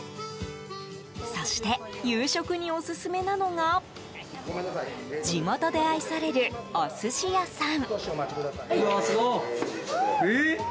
そして、夕食にオススメなのが地元で愛されるお寿司屋さん。